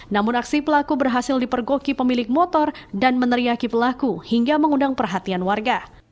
namun aksi pelaku berhasil dipergoki pemilik motor dan meneriaki pelaku hingga mengundang perhatian warga